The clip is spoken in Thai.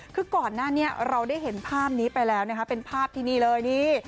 คือก่อนหน้านี้เราได้เห็นภาพนี้ไปแล้วนะคะเป็นภาพที่นี่เลยนี่